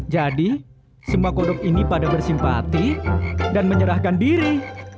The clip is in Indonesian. jadi semua kodok ini pada bersimpati dan menyerahkan diri